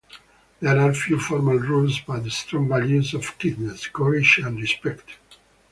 There are few formal rules but strong values of kindness, courage and respect.